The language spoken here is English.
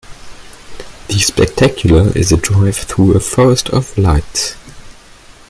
The spectacular is a drive through a forest of lights.